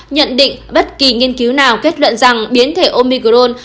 nhận định bất kỳ nghiên cứu nào kết luận rằng biến thể omicron